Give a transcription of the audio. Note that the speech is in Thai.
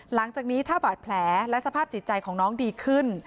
หลังจากนี้ถ้าบาดแผลและสภาพจิตใจของน้องดีขึ้น